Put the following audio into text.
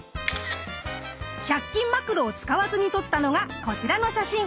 １００均マクロを使わずに撮ったのがこちらの写真。